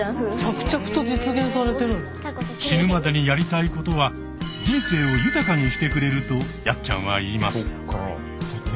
「死ぬまでにやりたいことは人生を豊かにしてくれる」とやっちゃんは言います。